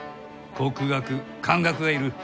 国学漢学がいる。